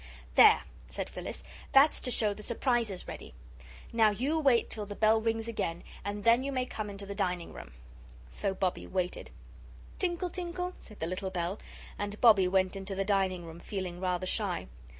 "There!" said Phyllis, "that's to show the surprise is ready. Now you wait till the bell rings again and then you may come into the dining room." So Bobbie waited. "Tinkle, tinkle," said the little bell, and Bobbie went into the dining room, feeling rather shy.